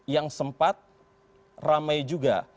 yang sempat ramai juga